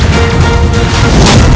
kau akan menang